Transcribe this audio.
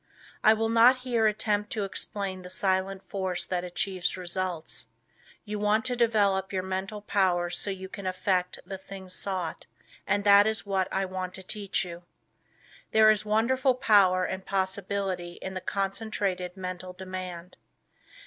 I will not here attempt to explain the silent force that achieves results. You want to develop your mental powers so you can effect the thing sought, and that is what I want to teach you. There is wonderful power and possibility in the concentrated Mental Demand.